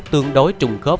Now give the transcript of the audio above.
tương đối trùng khớp